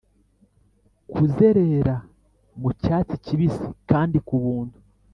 kuzerera mu cyatsi kibisi kandi ku buntu;